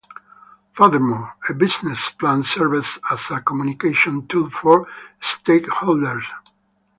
Furthermore, a business plan serves as a communication tool for stakeholders.